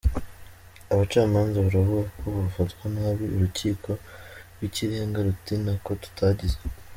Abacamanza baravuga ko bafatwa nabi, Urukiko rw’Ikirenga ruti ntako tutagize